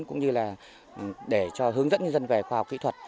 cũng như là để cho hướng dẫn nhân dân về khoa học kỹ thuật